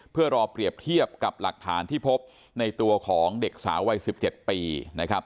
เพื่อรอเปรียบเทียบกับหลักฐานที่พบในตัวของเด็กสาววัย๑๗ปีนะครับ